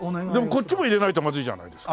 こっちも入れないとまずいじゃないですか。